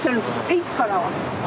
いつから？